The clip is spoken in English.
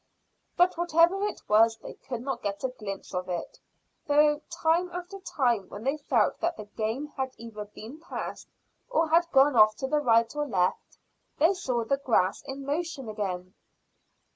But whatever it was they could not get a glimpse of it, though time after time, when they felt that the game had either been passed or had gone off to right or left, they saw the grass in motion again.